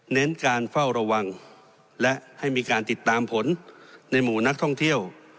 เน้นการเฝ้าระวังและให้มีการติดตามผลในหมู่นักท่องเที่ยว